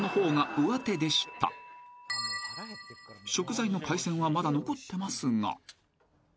［食材の海鮮はまだ残ってますが］